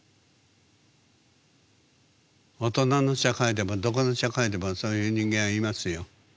大人の社会でもどこの社会でもそういう人間はいますよ。